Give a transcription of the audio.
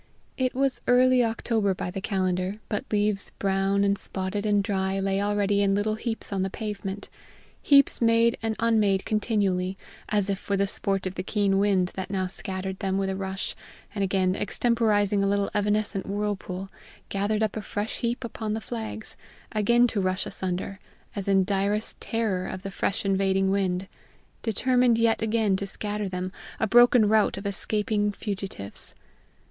It was early October by the calendar, but leaves brown and spotted and dry lay already in little heaps on the pavement heaps made and unmade continually, as if for the sport of the keen wind that now scattered them with a rush, and again, extemporizing a little evanescent whirlpool, gathered a fresh heap upon the flags, again to rush asunder, as in direst terror of the fresh invading wind, determined yet again to scatter them, a broken rout of escaping fugitives.